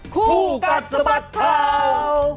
คู่กัดสมัครข่าว